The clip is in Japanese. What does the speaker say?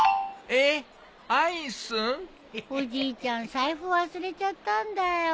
財布忘れちゃったんだよ。